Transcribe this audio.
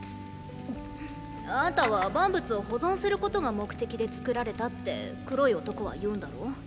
あんたは万物を保存することが目的でつくられたって黒い男は言うんだろ？